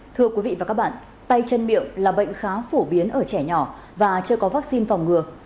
thưa quý vị và các bạn tay chân miệng là bệnh khá phổ biến ở trẻ nhỏ và chưa có vaccine phòng ngừa